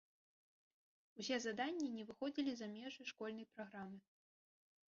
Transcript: Усе заданні не выходзілі за межы школьнай праграмы.